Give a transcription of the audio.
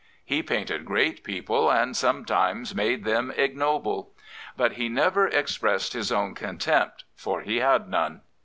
He painted great people and sometimes made them ignoble. But he never expressed his own contempt, for he had none.